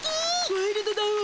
ワイルドだわ。